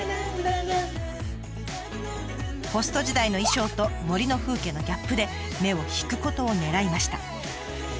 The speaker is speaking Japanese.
ホスト時代の衣装と森の風景のギャップで目を引くことをねらいました。